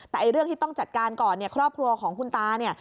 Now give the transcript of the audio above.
แต่เรื่องที่ต้องจัดการก่อนเนี่ยครอบครัวของคุณตาเนี่ย